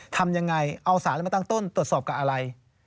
ทำยังไงเอาสารมาตั้งต้นตรวจสอบกับอะไร